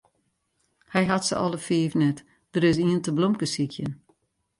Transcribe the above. Hy hat se alle fiif net, der is ien te blomkesykjen.